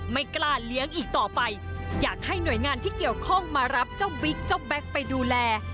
ไม่กล้าเลี้ยงอีกต่อไปอยากให้หน่วยงานที่เกี่ยวข้องมารับเจ้าบิ๊กเจ้าแบ็คไปดูแล